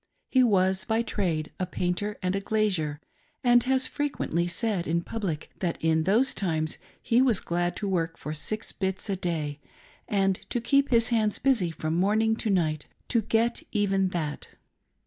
He was, by trade, a painter and glazier, and has frequently said in public that in those times he was glad to work for " six bits '' a day, and to keep his hands busy from morning to night to get even that.